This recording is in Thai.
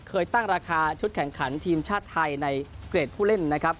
เคยตั้งราคาชุดแข่งขันทีมชาติไทยในเกรดผู้เล่นนะครับ